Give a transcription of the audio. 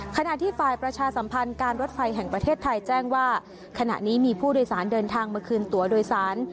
ขณะที่ฝ่ายประชาสัมพันธ์การรถไฟแห่งประเทศไทยแจ้งว่าขณะนี้มีผู้โดยสารเดินทางมาคืนตัวโดยสาร